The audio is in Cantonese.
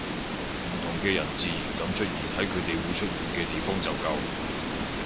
唔同嘅人自然噉出現喺佢哋會出現嘅地方就夠